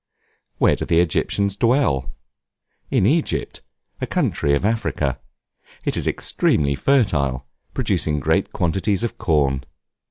Where do the Egyptians dwell? In Egypt, a country of Africa. It is extremely fertile, producing great quantities of corn.